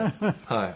はい。